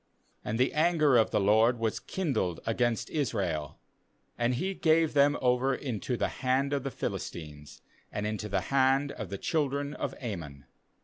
7And the anger of the LORD was kindled against Israel, and He gave them over into the hand of the Philistines, and into the hand of the children of Ammon.